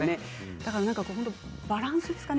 だからバランスですかね。